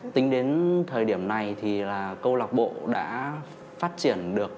tính đến thời điểm này thì là câu lạc bộ đã phát triển được